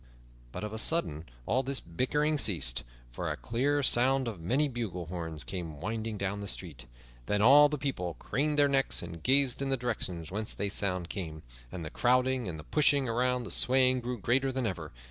But of a sudden all this bickering ceased, for a clear sound of many bugle horns came winding down the street. Then all the people craned their necks and gazed in the direction whence the sound came, and the crowding and the pushing and the swaying grew greater than ever.